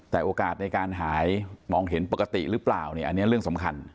แต่โอกาสในการหายมองเห็นปกติหรือเปล่าเนี่ยอันนี้เรื่องสำคัญ